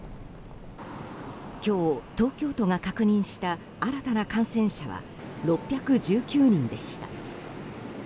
今日、東京都が確認した新たな感染者は６１９人でした。